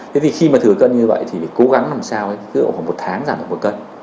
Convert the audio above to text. thế thì khi mà thừa cân như vậy thì phải cố gắng làm sao cứ độ khoảng một tháng giảm được một cân